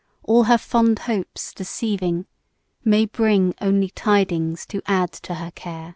all her fond hopes deceiving, May bring only tidings to add to her care.